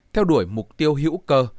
theo đuổi mục tiêu hữu cơ